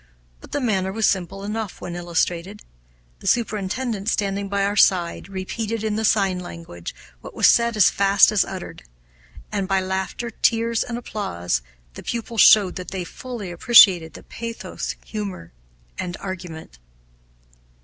But the manner was simple enough, when illustrated. The superintendent, standing by our side, repeated, in the sign language, what was said as fast as uttered; and by laughter, tears, and applause, the pupils showed that they fully appreciated the pathos, humor, and argument.